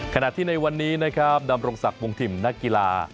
ขณะที่ในวันนี้นะครับดำรงศักดิ์วงถิ่นนักกีฬา